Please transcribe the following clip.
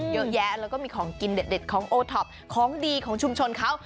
เยอะแยะแล้วก็มีของกินเด็ดของโอท็อปของดีของชุมชนเขา